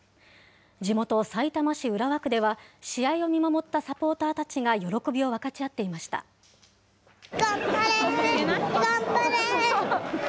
地元、さいたま市浦和区では、試合を見守ったサポーターたちが、喜びを頑張れ、頑張れ。